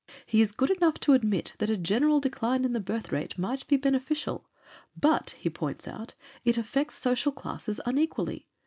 He is good enough to admit that a general decline in the birth rate might be beneficial. But, he points out, it affects social classes unequally.